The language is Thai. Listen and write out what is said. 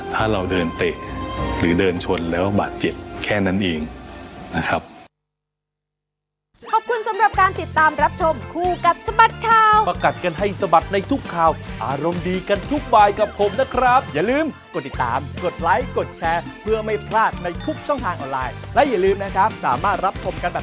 ถ้าเราเดินเตะหรือเดินชนแล้วบาดเจ็บแค่นั้นเองนะครับ